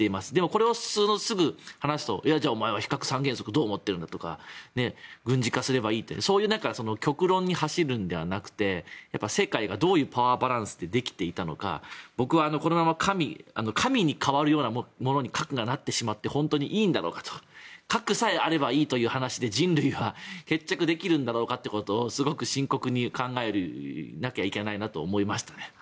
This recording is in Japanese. これをすぐに話すとじゃあ、お前は非核三原則どう思ってるんだとか軍事化すればいいとかそういう極論に走るんじゃなくて世界がどういうパワーバランスでできていたのか僕はこのまま神に代わるようなものに核がなってしまって本当にいいんだろうかと核さえあればいいという話に人類は決着できるんだろうかということをすごく深刻に考えなきゃいけないなと思いました。